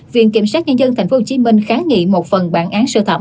viện kiểm sát nhân dân tp hcm kháng nghị một phần bản án sơ thẩm